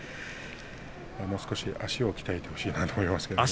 もう少し足を鍛えてほしいなと思いますけど。